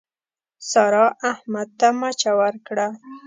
سارا، احمد ته مچه ورکړه.